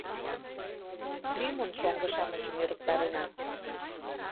Лӱмын шоҥго-шамычым ӧрыктарена.